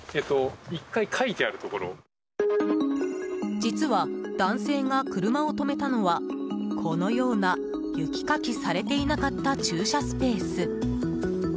実は、男性が車を止めたのはこのような雪かきされていなかった駐車スペース。